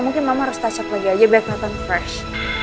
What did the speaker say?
mungkin mama harus touch up lagi aja biar keliatan fresh